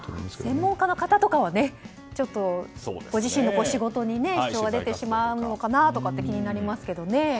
専門家の方とかはご自身のお仕事に支障が出てしまうのかなと気になりますけどね。